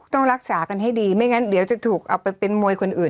ต้องรักษากันให้ดีไม่งั้นเดี๋ยวจะถูกเอาไปเป็นมวยคนอื่น